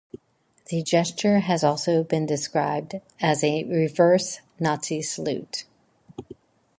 The gesture has also been described as a reverse Nazi salute.